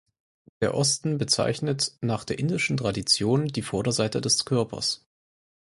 Der Osten bezeichnet nach der indischen Tradition die Vorderseite des Körpers.